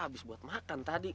habis buat makan tadi